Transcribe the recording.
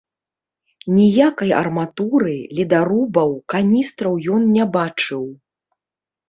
Ніякай арматуры, ледарубаў, каністраў ён не бачыў.